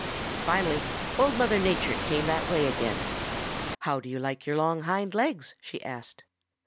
Finally Old Mother Nature came that way again. "'How do you like your long hind legs?' she asked.